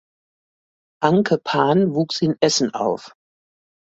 Anke Pan wuchs in Essen auf.